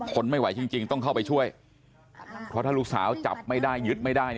ทนไม่ไหวจริงต้องเข้าไปช่วยเพราะถ้าลูกสาวจับไม่ได้ยึดไม่ได้